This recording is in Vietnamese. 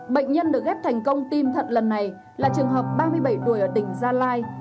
bệnh nhân được ghép thành công tim thận lần này là trường hợp ba mươi bảy tuổi ở tỉnh gia lai